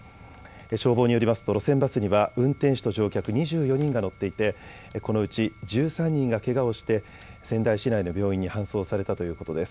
消防によりますと路線バスには運転手と乗客２４人が乗っていてこのうち１３人がけがをして仙台市内の病院に搬送されたということです。